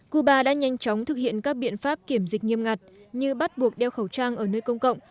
cuba đã nhanh chóng thực hiện các biện pháp kiểm dịch nghiêm ngặt như bắt buộc đeo khẩu trang ở nơi công cộng